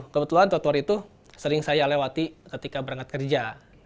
kebetulan trotoar itu sering saya lewati ketika berangkat kerja